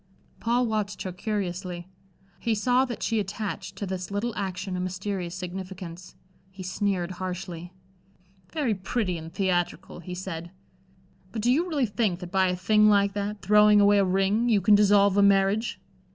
Paul watched her curiously. He saw that she attached to this little action a mysterious significance. He sneered harshly. "Very pretty and theatrical," he said. "But do you really think that by a thing like that throwing away a ring you can dissolve a marriage?"